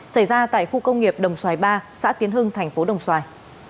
xảy ra tại khu công nghiệp đồng xoài ba xã tiến hưng thành phố đồng xoài